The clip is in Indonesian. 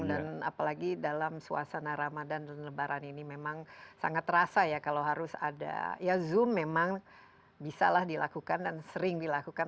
dan apalagi dalam suasana ramadhan dan lebaran ini memang sangat terasa ya kalau harus ada ya zoom memang bisalah dilakukan dan sering dilakukan